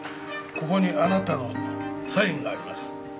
ここにあなたのサインがあります。